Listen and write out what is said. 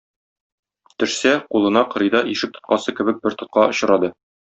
Төшсә, кулына кырыйда ишек тоткасы кебек бер тотка очрады.